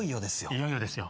いよいよですよ。